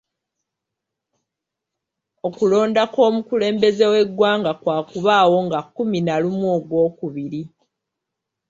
Okulonda kw'omukulembeze w'eggwanga kwakubaawo nga kkumi na lumu Ogwokubiri.